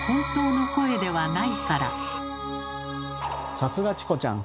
さすがチコちゃん！